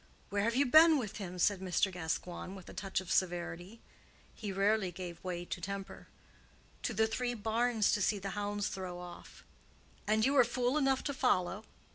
"Where have you been with him?" said Mr. Gascoigne, with a touch of severity. He rarely gave way to temper. "To the Three Barns to see the hounds throw off." "And you were fool enough to follow?"